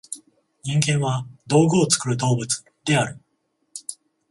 人間は「道具を作る動物」である。